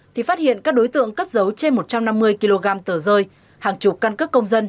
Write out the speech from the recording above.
thì phát hiện các đối tượng cất dấu trên một trăm năm mươi kg tờ rơi hàng chục căn cức công dân